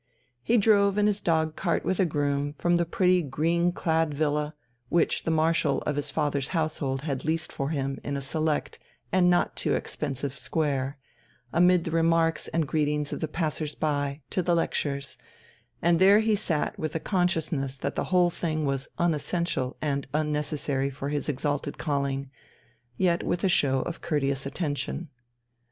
He drove in his dogcart with a groom from the pretty green clad villa, which the Marshal of his father's household had leased for him in a select and not too expensive square, amid the remarks and greetings of the passers by, to the lectures, and there he sat with the consciousness that the whole thing was unessential and unnecessary for his exalted calling, yet with a show of courteous attention.